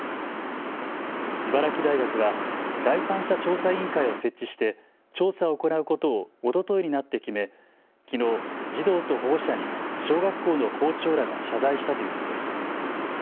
茨城大学は第三者調査委員会を設置して調査を行うことをおとといになって決めきのう、児童と保護者に小学校の校長らが謝罪したということです。